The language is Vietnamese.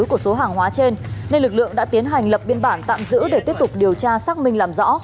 của số hàng hóa trên nên lực lượng đã tiến hành lập biên bản tạm giữ để tiếp tục điều tra xác minh làm rõ